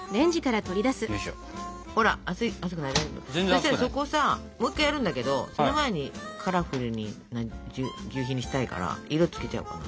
そしたらそこさもう一回やるんだけどその前にカラフルなぎゅうひにしたいから色つけちゃおうかな。